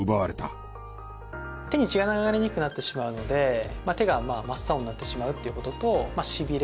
手に血が流れにくくなってしまうので手が真っ青になってしまうっていう事としびれ。